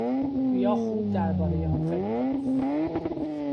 بیا خوب دربارهی آن فکر کنیم.